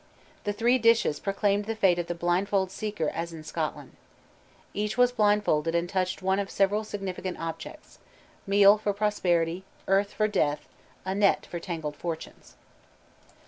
The three dishes proclaimed the fate of the blindfolded seeker as in Scotland. Each was blindfolded and touched one of several significant objects meal for prosperity, earth for death, a net for tangled fortunes.